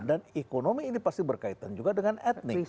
dan ekonomi ini pasti berkaitan juga dengan etnik